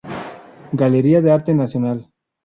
Galería de Arte Nacional.